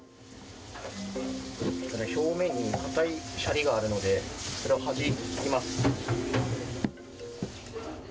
表面にかたいシャリがあるのでそれをはじきます。